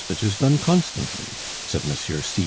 It is done constantly," said Monsieur C.